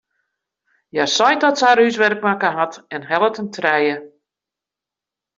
Hja seit dat se har húswurk makke hat en hellet in trije.